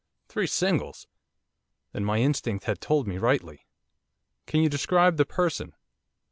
Three singles! Then my instinct had told me rightly. 'Can you describe the person?